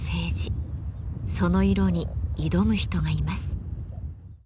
その色に挑む人がいます。